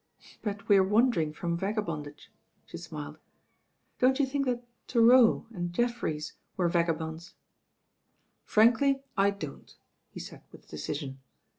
"But we arc wandering from vagabondage," she smiled. "Don't you think that Thoreau and Jef fcrics were vagabonds i'" "Frankly I don't," he said with decision.